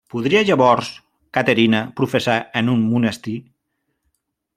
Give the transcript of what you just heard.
Podria llavors Caterina professar en un monestir?